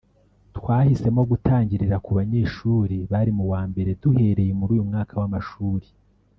twahisemo gutangirira ku banyeshuri bari mu wa Mbere duhereye muri uyu mwaka w’amashuri